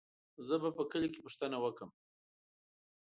زه به په کلي کې پوښتنه وکم.